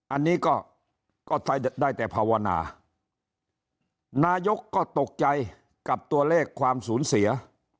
อันนี้ก็ได้แต่ภาวนานายกก็ตกใจกับตัวเลขความสูญเสีย